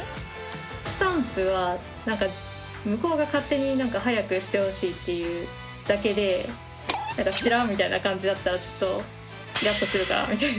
スタンプはなんか向こうが勝手に早くしてほしいっていうだけでなんかチラッみたいな感じだったらちょっとイラッとするかなみたいな。